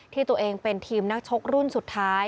ที่ตัวเองเป็นทีมนักชกรุ่นสุดท้าย